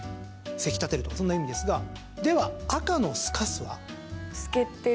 せき立てるとかそんな意味ですがでは、赤の透かすは？